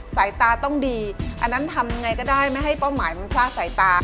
สายตาต้องดีอันนั้นทำยังไงก็ได้ไม่ให้เป้าหมายมันพลาดสายตา